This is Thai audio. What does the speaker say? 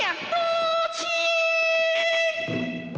ภูมิสุดท้าย